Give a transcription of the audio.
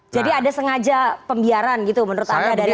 jadi ada sengaja pembiaran gitu menurut anda dari aparat